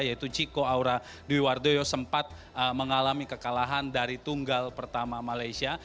yaitu ciko aura dwiwardoyo sempat mengalami kekalahan dari tunggal pertama malaysia